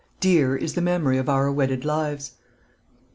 "DEAR IS THE MEMORY OF OUR WEDDED LIVES."